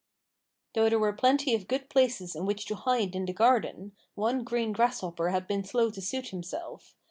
Though there were plenty of good places in which to hide in the garden, one green grasshopper had been slow to suit himself.